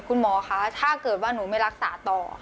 คุณหมอคะถ้าเกิดว่าหนูไม่รักษาต่อ